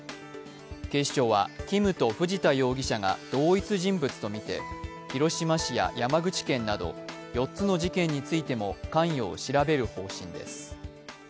警視庁はＫｉｍと藤田容疑者が同一人物とみて広島市や山口県など４つの事件についても関与を調べる方針です。